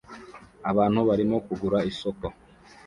abantu barimo kugura isoko